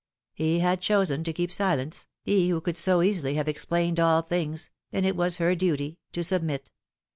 He had chosen to keep silence, he who could so easily have explained all things, and it was her duty to submit.